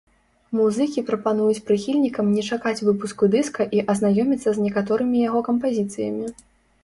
Музыкі прапануюць прыхільнікам не чакаць выпуску дыска і азнаёміцца з некаторымі яго кампазіцыямі.